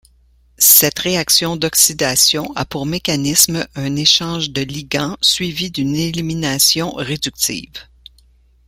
Cette réaction d'oxydation a pour mécanisme un échange de ligand suivi d'une élimination réductive.